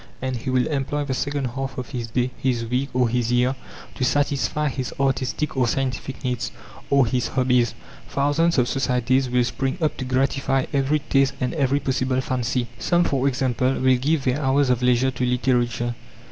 And he will employ the second half of his day, his week, or his year, to satisfy his artistic or scientific needs, or his hobbies. Thousands of societies will spring up to gratify every taste and every possible fancy. Some, for example, will give their hours of leisure to literature.